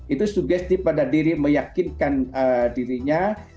itu sugesti pada diri meyakinkan dirinya